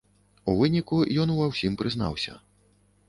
У выніку ён ва ўсім прызнаўся.